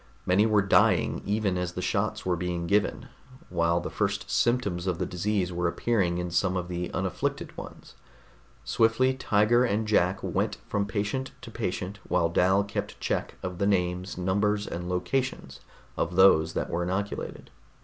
Many were dying even as the shots were being given, while the first symptoms of the disease were appearing in some of the unafflicted ones. Swiftly Tiger and Jack went from patient to patient while Dal kept check of the names, numbers and locations of those that were inoculated.